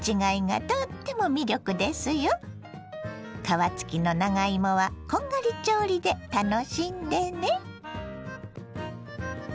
皮付きの長芋はこんがり調理で楽しんでね。